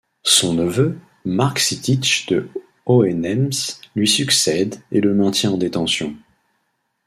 Son neveu, Marc Sittich de Hohenems, lui succède et le maintient en détention.